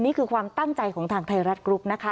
นี่คือความตั้งใจของทางไทยรัฐกรุ๊ปนะคะ